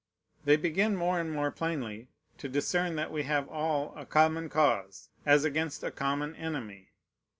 They begin more and more plainly to discern that we have all a common cause, as against a common enemy.